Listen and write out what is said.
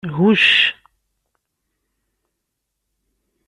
Hucc.